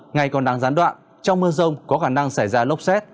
ngày còn nắng gián đoạn trong mưa rông có khả năng xảy ra lốc xét